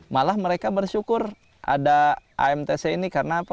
malah mereka bersyukur ada amtc ini karena apa